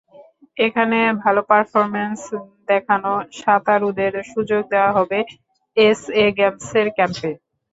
এখানে ভালো পারফরম্যান্স দেখানো সাঁতারুদের সুযোগ দেওয়া হবে এসএ গেমসের ক্যাম্পে।